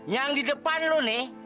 yang di depan lo nih